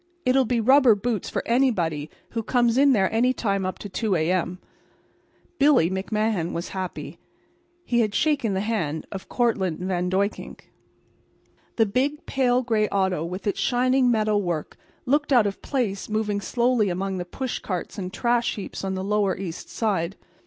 It'll be rubber boots for anybody who comes in there any time up to 2 A. M." Billy McMahan was happy. He had shaken the hand of Cortlandt Van Duyckink. The big pale gray auto with its shining metal work looked out of place moving slowly among the push carts and trash heaps on the lower east side.